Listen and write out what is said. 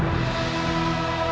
aku akan menunggu